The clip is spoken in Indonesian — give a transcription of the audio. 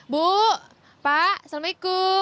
bu pak assalamu'alaikum